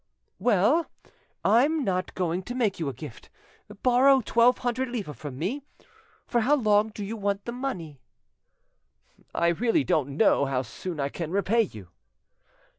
"Well, I'm not going to make you a gift. Borrow twelve hundred livres from me. For how long do you want the money?" "I really don't know how soon I can repay you."